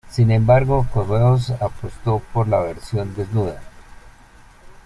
Sin embargo, Correos apostó por la versión desnuda.